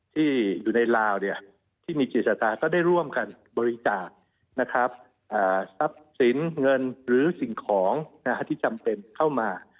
ที่อยู่ในลาวที่มีจิตตาก็ได้ร่วมกันบริจาคนะครับทรัพย์สินเงินหรือสิ่งของที่จำเป็นเข้ามา